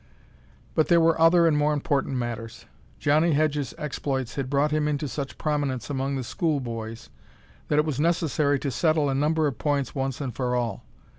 But there were other and more important matters. Johnnie Hedge's exploits had brought him into such prominence among the school boys that it was necessary to settle a number of points once and for all.